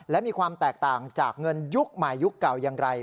และมีความแตกต่างจากเงินยุคใหม่ยุคเก่าอย่างไร